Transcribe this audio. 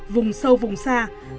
vùng sâu vùng xa